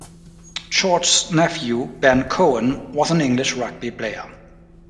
George's nephew Ben Cohen was an English rugby player.